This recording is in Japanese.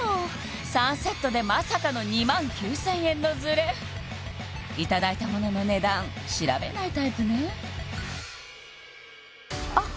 ３セットでまさかの２万９０００円のズレ頂いたものの値段調べないタイプねあっ